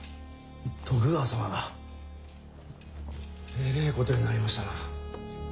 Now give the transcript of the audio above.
徳川様が。えれえことになりましたな。